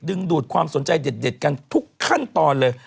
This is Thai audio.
ดูดความสนใจเด็ดกันทุกขั้นตอนเลย